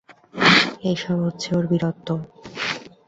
এই-সব হচ্ছে ওঁর বীরত্ব।